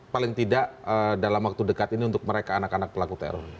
paling tidak dalam waktu dekat ini untuk mereka anak anak pelaku teror